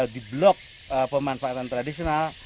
di blok pemanfaatan tradisional